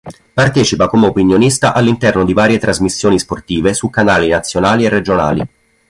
Partecipa come opinionista all'interno di varie trasmissioni sportive su canali nazionali e regionali.